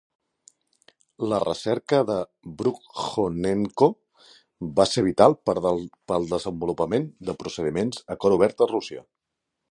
La recerca de Brukhonenko va ser vital pel desenvolupament de procediments a cor obert a Rússia.